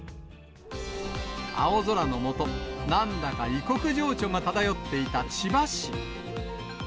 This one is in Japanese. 青空の下、なんだが異国情緒が漂っていた千葉市。